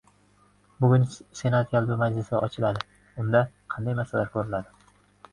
Bugun senat yalpi majlisi ochiladi. Unda qanday masalalar ko‘riladi?